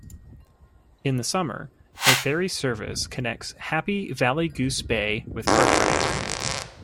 In the summer, a ferry service connects Happy Valley-Goose Bay with Cartwright.